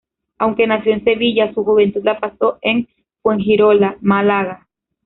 Aunque nació en Sevilla, su juventud la pasó en Fuengirola, Málaga.